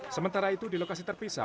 sementara itu di lokasi terpisah